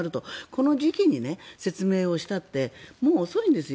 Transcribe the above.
この時期に説明したってもう遅いんです。